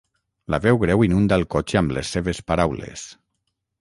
La veu greu inunda el cotxe amb les seves paraules.